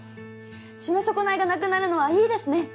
閉め損ないがなくなるのはいいですね！